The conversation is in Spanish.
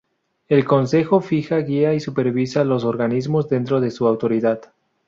El Consejo fija, guía y supervisa los organismos dentro de su autoridad.